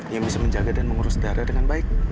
yang bisa menjaga dan mengurus darah dengan baik